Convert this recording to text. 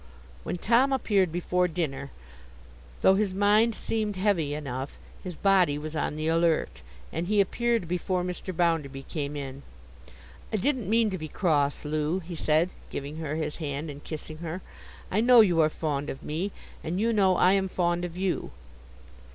When Tom appeared before dinner, though his mind seemed heavy enough, his body was on the alert; and he appeared before Mr. Bounderby came in. 'I didn't mean to be cross, Loo,' he said, giving her his hand, and kissing her. 'I know you are fond of me, and you know I am fond of you.